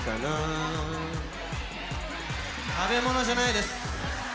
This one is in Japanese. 食べ物じゃないです。